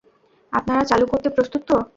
আপনারা চালু করতে প্রস্তুত তো?